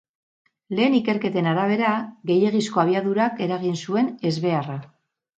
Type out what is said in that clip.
Lehen ikerketen arabera, gehiegizko abiadurak eragin zuen ezbeharra.